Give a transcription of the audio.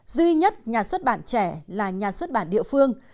duy nhất nhà xuất bản trẻ là nhà xuất bản địa phương